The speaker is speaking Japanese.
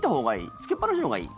つけっぱなしのほうがいい？